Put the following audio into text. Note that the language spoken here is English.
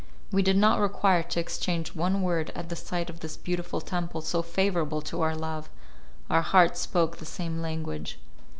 We did not require to exchange one word at the sight of this beautiful temple so favourable to our love; our hearts spoke the same language.